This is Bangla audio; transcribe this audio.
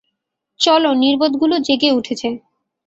চলো, নির্বোধগুলো জেগে উঠছে।